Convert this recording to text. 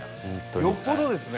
「よっぽどですね」